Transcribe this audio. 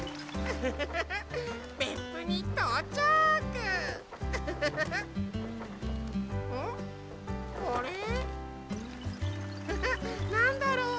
フフッなんだろう？